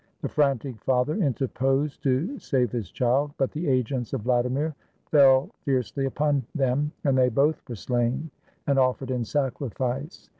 The frantic father interposed to save his child. But the agents of Vladimir fell fiercely upon them, and they both were slain and offered in sacrifice.